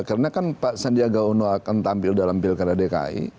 karena kan pak sandiaga uno akan tampil dalam pilkara dki